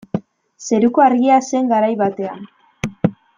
Zeruko Argia zen garai batean.